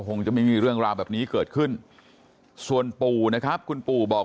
คงจะไม่มีเรื่องราวแบบนี้เกิดขึ้นส่วนปู่นะครับคุณปู่บอก